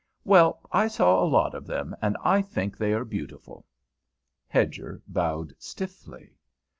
"Well, I saw a lot of them, and I think they are beautiful." Hedger bowed stiffly.